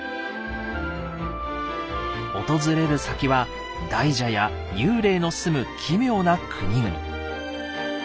訪れる先は大蛇や幽霊の住む奇妙な国々。